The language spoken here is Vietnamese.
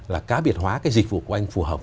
là cá biệt hóa cái dịch vụ của anh phù hợp